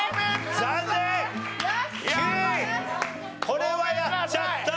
これはやっちゃった。